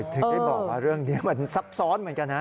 ถึงได้บอกว่าเรื่องนี้มันซับซ้อนเหมือนกันนะ